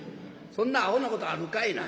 そんなアホなことあるかいな。